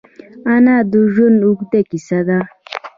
انا د ژوند اوږده کیسه ده